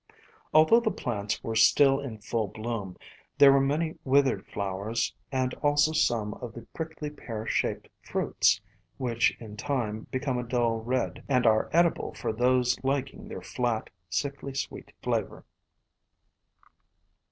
Although the plants were still in full bloom, there were many withered flowers and also some of the prickly pear shaped fruits, which in time become a dull red, and are edible for those liking their flat, sickly sweet flavor.